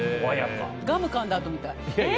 ガムかんだあとみたい。